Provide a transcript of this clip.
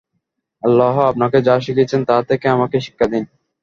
আল্লাহ আপনাকে যা শিখিয়েছেন তা থেকে আমাকে শিক্ষা দিন।